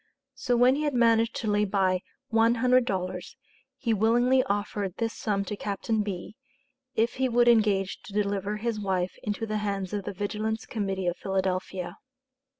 So when he had managed to lay by one hundred dollars, he willingly offered this sum to Captain B., if he would engage to deliver his wife into the hands of the Vigilance Committee of Philadelphia.